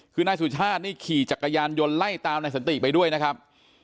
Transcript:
คือนายสุชาตินี่ขี่จักรยานยนต์ไล่ตามนายสันติไปด้วยนะครับ